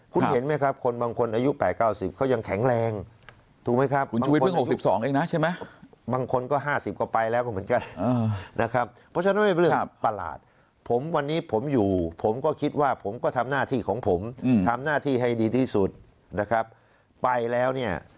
คุณเห็นไหมครับบางคนอายุ๘๐๙๐เค้ายังแข็งแรง